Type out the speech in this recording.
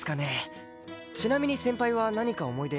ちなみに先輩は何か思い出ありますか？